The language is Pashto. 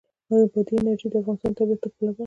بادي انرژي د افغانستان د طبیعت د ښکلا برخه ده.